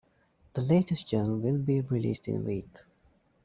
The latest journal will be released in a week.